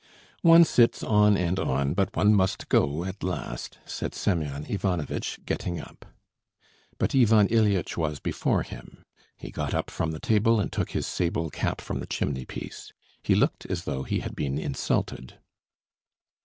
"One sits on and on, but one must go at last," said Semyon Ivanovitch, getting up. But Ivan Ilyitch was before him; he got up from the table and took his sable cap from the chimney piece. He looked as though he had been insulted.